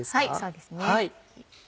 そうですね。